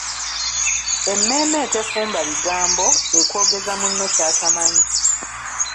Emmeeme etefumba bigambo, ekwogeza munno ky'atamanyi.